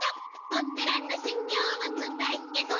おてらのしゅぎょうはつらいけど